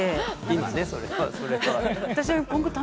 今ねそれはそれは。